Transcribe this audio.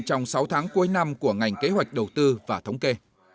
trong sáu tháng cuối năm của ngành kế hoạch đầu tư và thống kê